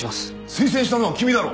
推薦したのは君だろ！